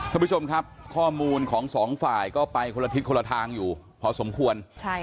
ท่านผู้ชมครับข้อมูลของสองฝ่ายก็ไปคนละทิศคนละทางอยู่พอสมควร